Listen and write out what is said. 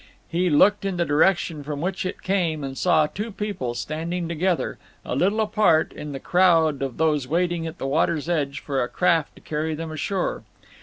He looked in the direction from which it came and saw two people standing together, a little apart, in the crowd of those waiting at the water's edge for a craft to carry them ashore.